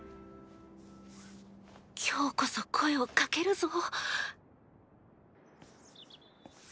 今日こそ声をかけるぞ！